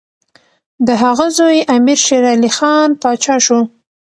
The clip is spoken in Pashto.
د هغه زوی امیر شېرعلي خان پاچا شو.